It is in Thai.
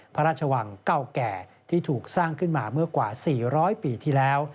พระราชวังเก่าแก่ที่ถูกสร้างขึ้นมาเมื่อกว่า๔๐๐ปีที่แล้ว